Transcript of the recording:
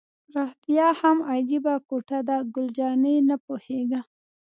رښتیا هم عجیبه کوټه ده، ګل جانې: نه پوهېږم.